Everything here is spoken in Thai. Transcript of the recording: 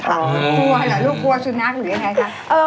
โอ้โหลูกค่ววสุนักหรือยังไงคะ